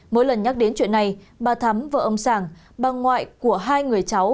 mỗi lần nhắc đến chuyện này bà thắm vợ ông sàng bà ngoại của hai người cháu